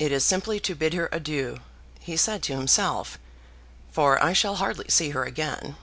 "It is simply to bid her adieu," he said to himself, "for I shall hardly see her again."